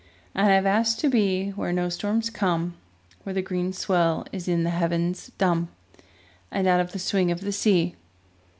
And I have asked to be Where no storms come, Where the green swell is in the havens dumb, And out of the swing of the sea.